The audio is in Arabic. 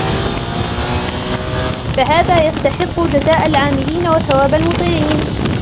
فَهَذَا يَسْتَحِقُّ جَزَاءَ الْعَامِلِينَ ، وَثَوَابَ الْمُطِيعِينَ